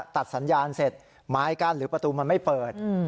ตัดสัญญาณเสร็จไม้กั้นหรือประตูมันไม่เปิด